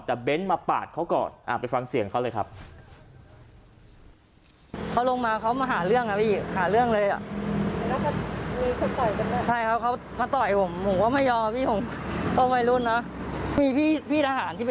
แต่เบ้นมาปาดเขาก่อนไปฟังเสียงเขาเลยครับ